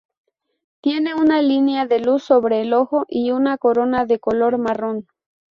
Tienen una línea de luz sobre el ojo y una corona de color marrón.